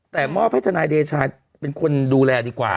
แต่มอบให้ทนายเดชาเป็นคนดูแลดีกว่า